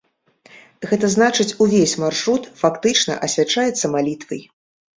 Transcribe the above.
Гэта значыць, увесь маршрут фактычна асвячаецца малітвай.